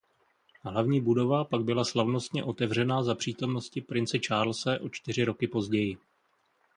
Hlavní budova pak byla slavnostně otevřena za přítomnosti prince Charlese o čtyři roky později.